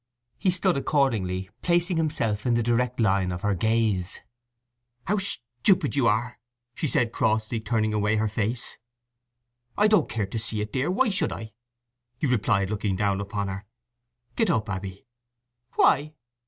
He stood accordingly, placing himself in the direct line of her gaze. "How stupid you are!" she said crossly, turning away her face. "I don't care to see it, dear: why should I?" he replied looking down upon her. "Get up, Abby." "Why?"